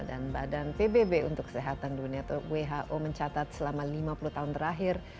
dan badan pbb untuk kesehatan dunia atau who mencatat selama lima puluh tahun terakhir